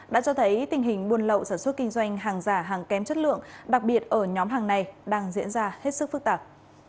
đã cho thấy tình hình buôn lậu sản xuất kinh doanh hàng giả hàng kém chất lượng đặc biệt ở nhóm hàng này đang diễn ra hết sức phức tạp